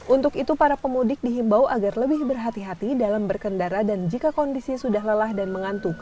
untuk itu para pemudik dihimbau agar lebih berhati hati dalam berkendara dan jika kondisi sudah lelah dan mengantuk